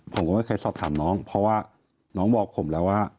ผมก็ไม่เคยสอบถามน้องเพราะว่าน้องบอกผมแล้วว่า